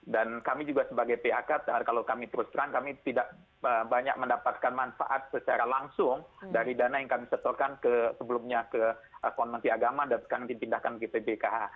dan kami juga sebagai phk kalau kami terus terang kami tidak banyak mendapatkan manfaat secara langsung dari dana yang kami setorkan sebelumnya ke akun menti agama dan sekarang dipindahkan ke bpkh